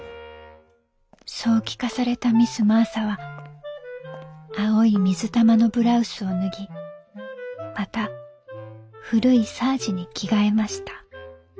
「そう聞かされたミス・マーサは青い水玉のブラウスを脱ぎまた古いサージに着替えました」。